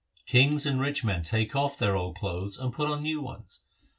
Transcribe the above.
Kings and rich men take off their old clothes and put on new ones.